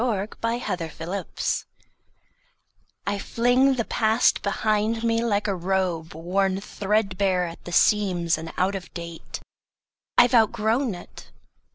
Ella Wheeler Wilcox The Past I FLING the past behind me, like a robe Worn threadbare at the seams, and out of date. I have outgrown it.